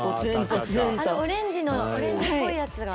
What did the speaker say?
あのオレンジのオレンジっぽいやつが。